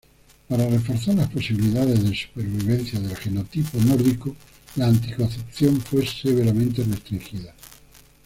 Para reforzar las posibilidades de supervivencia del genotipo nórdico, la anticoncepción fue severamente restringida.